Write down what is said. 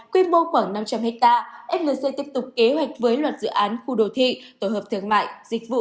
quy mô khoảng năm trăm linh hectare flc tiếp tục kế hoạch với loạt dự án khu đồ thị tổ hợp thương mại dịch vụ